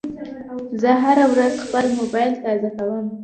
زه هره ورځ خپل موبایل تازه کوم.